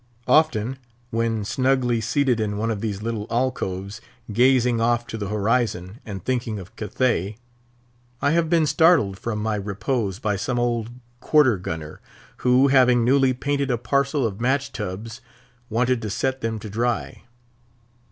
Often, when snugly seated in one of these little alcoves, gazing off to the horizon, and thinking of Cathay, I have been startled from my repose by some old quarter gunner, who, having newly painted a parcel of match tubs, wanted to set them to dry.